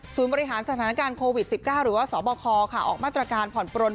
ศูนย์บริหารสถานการณ์โควิดสิบเก้าหรือว่าสบคค่ะออกมาตรการผ่อนปล้น